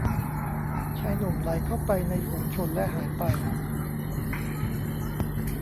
ชายหนุ่มไหลเข้าไปในฝูงชนและหายไป